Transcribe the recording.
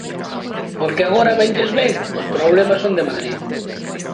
Porque agora vénlles ben, os problemas son de Madrid.